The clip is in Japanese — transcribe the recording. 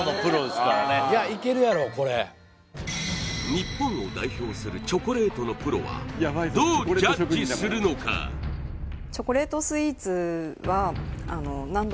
日本を代表するチョコレートのプロはどうジャッジするのか？と思っております